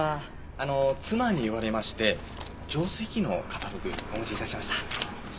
あの妻に言われまして浄水器のカタログお持ち致しました。